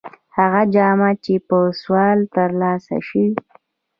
هغه جامه چې په سوال تر لاسه شي.